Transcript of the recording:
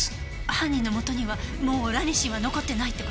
犯人の元にはもうラニシンは残ってないって事？